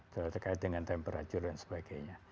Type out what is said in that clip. terkait dengan temperatur dan sebagainya